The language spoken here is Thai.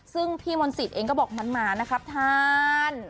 ซึ่งพี่มนศิษย์เองก็บอกมานนะครับท่าน